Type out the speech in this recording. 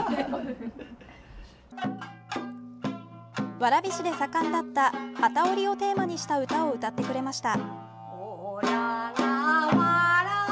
蕨市で盛んだった機織りをテーマにした歌を歌ってくれました。